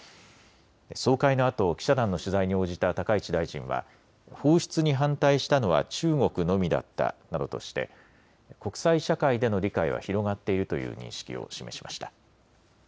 総会のあと記者団の取材に応じた高市大臣は放出に反対したのは中国のみだったなどとして国際社会での理解は広がっているという認識を示しました。